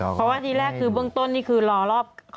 เพราะว่าที่แรกคือเบื้องต้นนี่คือรอรอบ